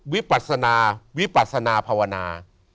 วิปัสนาวิปัสนาภาวนา